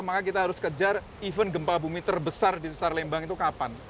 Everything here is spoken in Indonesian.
maka kita harus kejar event gempa bumi terbesar di sesar lembang itu kapan